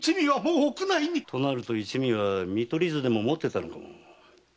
となると一味は見取り図でも持ってたのかも。